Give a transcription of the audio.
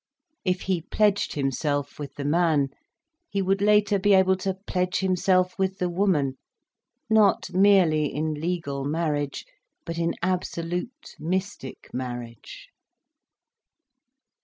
If he pledged himself with the man he would later be able to pledge himself with the woman: not merely in legal marriage, but in absolute, mystic marriage.